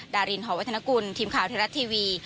ดารินหอวัฒนกุลทีมข่าวไทยรัฐทีวี